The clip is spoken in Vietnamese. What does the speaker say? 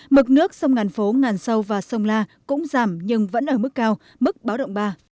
mực nước sông ngàn phố ngàn sâu và sông la cũng giảm nhưng vẫn ở mức cao mức báo động ba